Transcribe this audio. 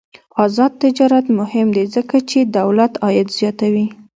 آزاد تجارت مهم دی ځکه چې دولت عاید زیاتوي.